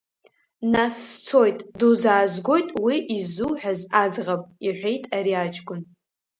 Нас сцоит, дузаазгоит уи иззуҳәаз аӡӷаб, — иҳәеит ари аҷкәын.